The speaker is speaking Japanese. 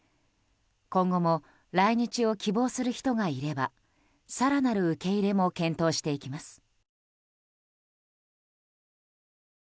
今後も来日を希望する人がいれば更なる受け入れも検討していきます。